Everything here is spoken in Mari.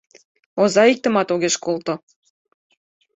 Оза иктымат огеш колто.